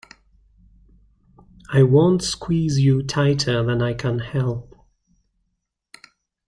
I won't squeeze you tighter than I can help.